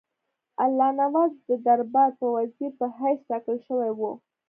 الله نواز د دربار د وزیر په حیث ټاکل شوی وو.